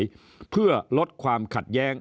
ประสิทธิ์การเลือกการประทะขั้น